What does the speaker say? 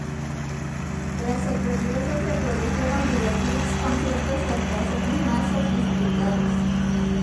Tras el regreso, se produjeron videoclips, conciertos y actuaciones más sofisticadas.